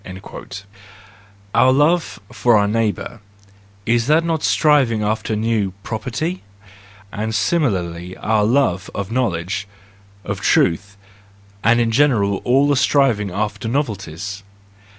Our 52 THE JOYFUL WISDOM, I love of our neighbour,—is it not a striving after new property? And similarly our love of knowledge, of truth; and in general all the striving after novelties?